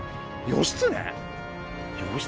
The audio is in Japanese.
義経。